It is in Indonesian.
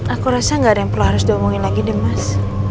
aku rasa gak ada yang perlu harus diomongin lagi deh mas